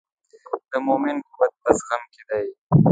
د مؤمن قوت په زغم کې دی.